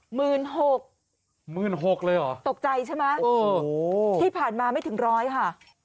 หมื่นหกหมื่นหกเลยเหรอตกใจใช่ไหมเออที่ผ่านมาไม่ถึงร้อยค่ะ